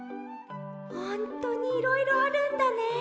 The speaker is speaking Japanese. ほんとにいろいろあるんだね。